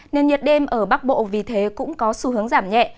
nên nhiệt đêm ở bắc bộ vì thế cũng có xu hướng giảm nhẹ